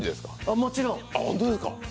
もちろん。